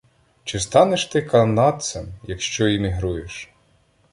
Чи станеш ти канадцем, якщо іммігруєш?